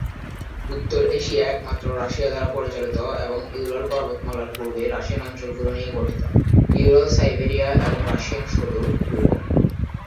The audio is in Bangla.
উত্তর এশিয়া একমাত্র রাশিয়া দ্বারা পরিচালিত, এবং ইউরাল পর্বতমালার পূর্বে রাশিয়ান অঞ্চলগুলি নিয়ে গঠিত: ইউরাল, সাইবেরিয়া এবং রাশিয়ান সুদূর পূর্ব।